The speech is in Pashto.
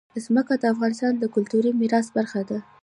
ځمکه د افغانستان د کلتوري میراث برخه ده.